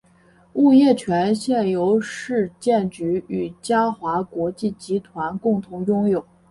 物业权现由市建局与嘉华国际集团共同拥有。